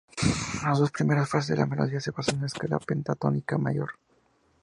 Las dos primeras frases de la melodía se basan en la escala pentatónica mayor.